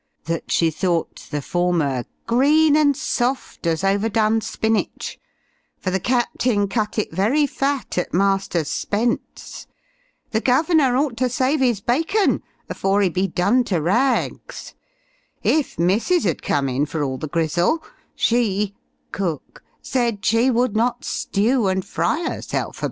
That she thought the former green and soft, as over done spinach, for the Capting cut it very fat at master's 'spense; the guvenor ought to save his bacon afore he be done to rags; if missus ud come in for all the grizzle, she (cook) said she would not stew and fry herself about it.